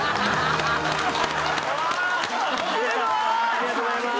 ありがとうございます。